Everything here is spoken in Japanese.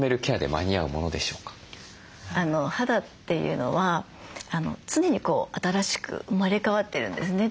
肌というのは常に新しく生まれ変わってるんですね。